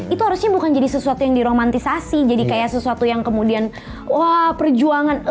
itu harusnya bukan jadi sesuatu yang diromantisasi jadi kayak sesuatu yang kemudian wah perjuangan